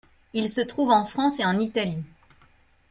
Il se trouve en France et en Italie.